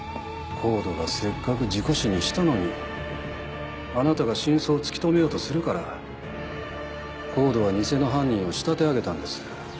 ＣＯＤＥがせっかく事故死にしたのにあなたが真相を突き止めようとするからＣＯＤＥは偽の犯人を仕立て上げたんです。